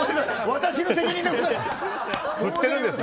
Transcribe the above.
私の責任です！